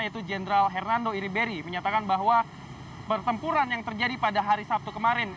yaitu jenderal hernando iriberi menyatakan bahwa pertempuran yang terjadi pada hari sabtu kemarin